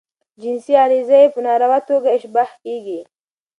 جنسی غریزه ئې په ناروا توګه اشباه کیږي.